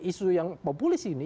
isu yang populis ini